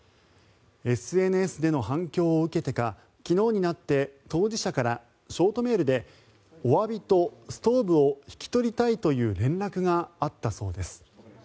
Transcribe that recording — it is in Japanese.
ＳＮＳでの反響を受けてか昨日になって当事者からショートメールでおわびとストーブを引き取りたいという連絡があったそうです。